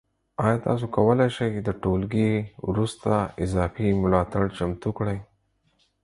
ایا تاسو کولی شئ د ټولګي وروسته اضافي ملاتړ چمتو کړئ؟